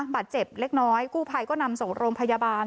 บาดเจ็บเล็กน้อยกู้ภัยก็นำส่งโรงพยาบาล